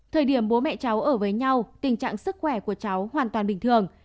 thời điểm bố mẹ cháu ở với nhau tình trạng sức khỏe của cháu hoàn toàn bình thường